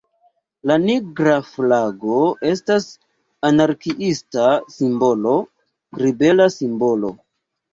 La Nigra Flago estas anarkiista simbolo, ribela simbolo.